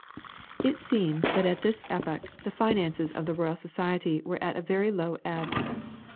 It seems that at this epoch the finances of the Royal Society were at a very low ebb.